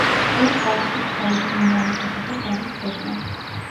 დოკს არ სურს თავისი მომავლის შესახებ რამის ცოდნა.